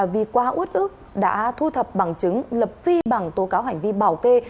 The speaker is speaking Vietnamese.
vì quá út ức đã thu thập bằng chứng lập phi bằng tố cáo hành vi bảo kê